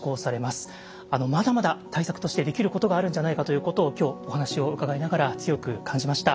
まだまだ対策としてできることがあるんじゃないかということを今日お話を伺いながら強く感じました。